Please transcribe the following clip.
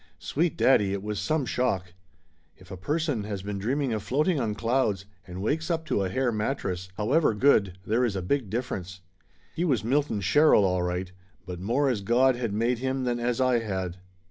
Sweet daddy, it was some shock! If a person has been dreaming of float ing on clouds and wakes up to a hair mattress, however good, there is a big difference. He was Milton Sher rill, all right, but more as God had made him than as I had.